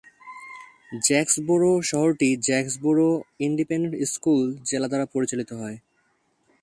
Jacksboro শহরটি Jacksboro independent school জেলা দ্বারা পরিচালিত হয়।